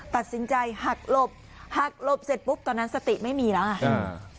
ตัดสินใจหักหลบหักหลบเสร็จปุ๊บตอนนั้นสติไม่มีแล้วไงอ่า